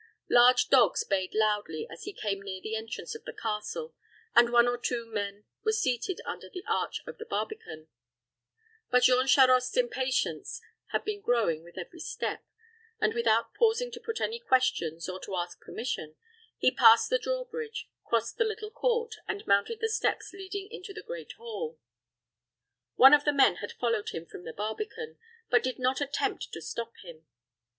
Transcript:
Large dogs bayed loudly as he came near the entrance of the castle, and one or two men were seated under the arch of the barbican; but Jean Charost's impatience had been growing with every step, and, without pausing to put any questions or to ask permission, he passed the draw bridge, crossed the little court, and mounted the steps leading into the great hall. One of the men had followed him from the barbican, but did not attempt to stop him.